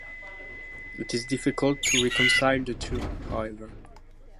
It is difficult to reconcile the two, however.